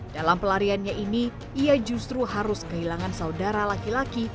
dalam pelariannya ini ia justru harus kehilangan saudara laki laki